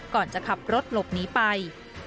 ก่อนจะขับรถหลบหนีไป